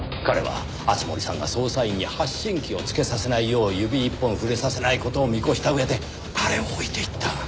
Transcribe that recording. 彼は敦盛さんが捜査員に発信器を付けさせないよう指一本触れさせない事を見越した上であれを置いていった。